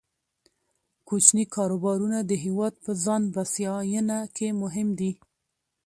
کوچني کاروبارونه د هیواد په ځان بسیاینه کې مهم دي.